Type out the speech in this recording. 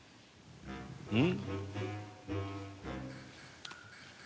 うん？